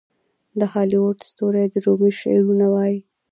د هالیووډ ستوري د رومي شعرونه وايي.